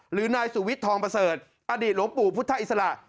หรือนายสุวิทย์ทองประเสริฐอดีตหลวงปู่พุทธอิสระ